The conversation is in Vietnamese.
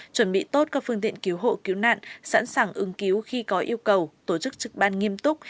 chuẩn bị tốt các phương tiện cứu hộ cứu nạn sẵn sàng ứng cứu khi có yêu cầu tổ chức trực ban nghiêm túc